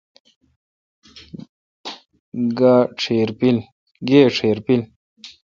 گائی ڄیر پل۔